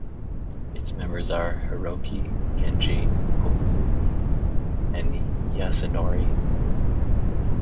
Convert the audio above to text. Its members are Hiroki, Kenji, Ogu and Yasunori.